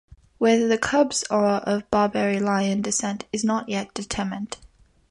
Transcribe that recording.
Whether the cubs are of Barbary lion descent is not yet determined.